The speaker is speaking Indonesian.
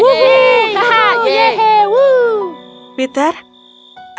peter apakah kau ingin berada di neverland